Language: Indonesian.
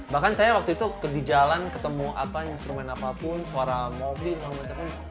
bahkan saya waktu itu di jalan ketemu apa instrumen apapun suara ngopi segala macam